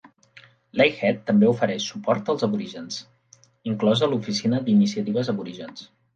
Lakehead també ofereix suport als aborígens, inclosa l'Oficina d'Iniciatives Aborígens.